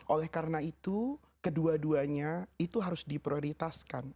oleh karena itu kedua duanya itu harus diprioritaskan